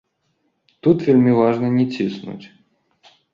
Тут вельмі важна не ціснуць.